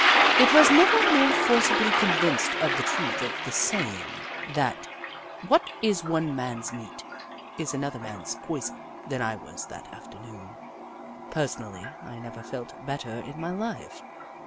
1 was never more forcibly convinced of the truth of the saying that " What is one man's meat is another man's poison," than I was that afternoon. Personally, I never felt bet ter in my life.